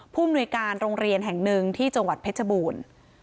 มนุยการโรงเรียนแห่งหนึ่งที่จังหวัดเพชรบูรณ์